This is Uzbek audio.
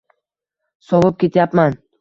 Sovib ketyapman.